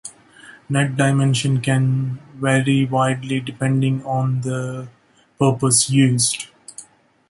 Net dimensions can vary widely depending on the proposed use.